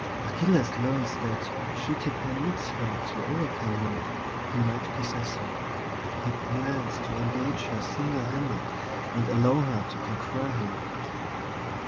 Achilles learns that, should he permit her to overcome him, he might possess her. He plans to engage her single handed, and allow her to conquer him.